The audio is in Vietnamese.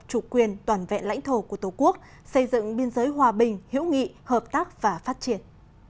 chủ quyền toàn vẹn lãnh thổ của tổ quốc xây dựng biên giới hòa bình hữu nghị hợp tác và phát triển